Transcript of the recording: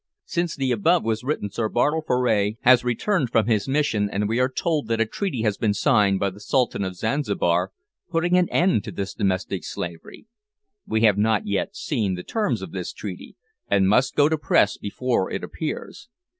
Since the above was written Sir Bartle Frere has returned from his mission, and we are told that a treaty has been signed by the Sultan of Zanzibar putting an end to this domestic slavery. We have not yet seen the terms of this treaty, and must go to press before it appears.